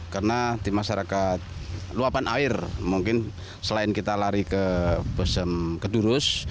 karena di masyarakat luapan air mungkin selain kita lari ke bozem kedulus